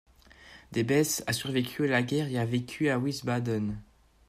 Debes a survécu à la guerre et a vécu à Wiesbaden.